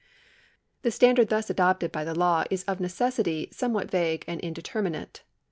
Tile standard thus adopted by the law is of necessity some what vague and indeterminate.